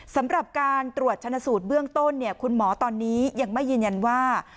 สำหรับการตรวจชนะสูตรเบื้องต้นคุณหมอตอนนี้ยังไม่ยืนยันว่า